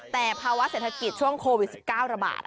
แต่ภาวะเศรษฐกิจช่วงโควิด๑๙ระบาด